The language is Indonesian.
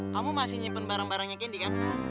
kamu masih nyimpen barang barangnya gini kan